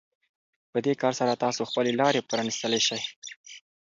په دې کار سره تاسو خپلې لارې پرانيستلی شئ.